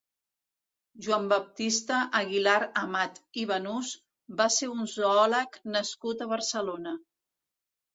Joan Baptista Aguilar-Amat i Banús va ser un zoòleg nascut a Barcelona.